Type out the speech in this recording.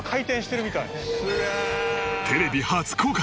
テレビ初公開